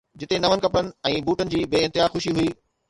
جتي نون ڪپڙن ۽ بوٽن جي بي انتها خوشي هئي.